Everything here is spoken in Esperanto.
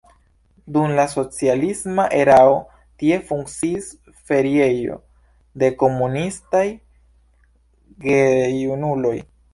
Dum la socialisma erao tie funkciis feriejo de "komunistaj" gejunuloj.